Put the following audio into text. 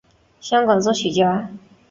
香港作曲家。